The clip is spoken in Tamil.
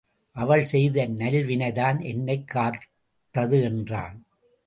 அவள் செய்த நல்வினைதான் என்னைக் காத்தது என்றான்.